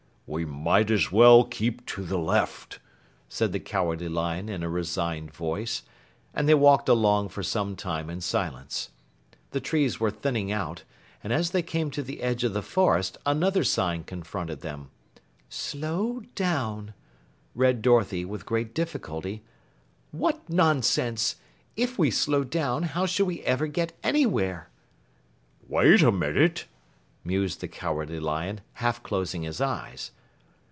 "We might as well keep to the left," said the Cowardly Lion in a resigned voice, and they walked along for some time in silence. The trees were thinning out, and as they came to the edge of the forest, another sign confronted them. "Slow down," read Dorothy with great difficulty. "What nonsense! If we slow down, how shall we ever get anywhere?" "Wait a minute," mused the Cowardly Lion, half closing his eyes.